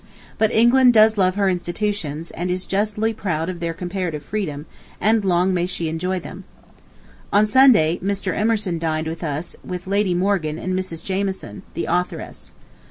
But England does love her institutions, and is justly proud of their comparative freedom, and long may she enjoy them. ... On Sunday Mr. Emerson dined with us with Lady Morgan and Mrs. Jameson—the authoress.